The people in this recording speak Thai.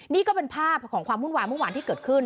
นี่ก็เป็นภาพของความวุ่นวายเมื่อวานที่เกิดขึ้น